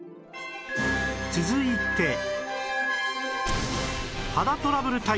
続いて